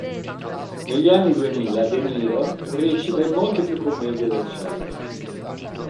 Negli anni duemila De Niro recita in molte più commedie del solito.